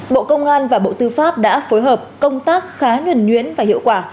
bộ công an và bộ tư pháp đã phối hợp công tác khá nhuẩn nhuyễn và hiệu quả